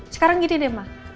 sekarang gini deh ma